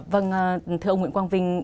vâng thưa ông nguyễn quang vinh